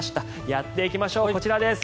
やっていきましょうこちらです。